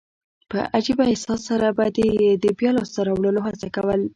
په عجبه احساس سره به دي يي د بیا لاسته راوړلو هڅه کول.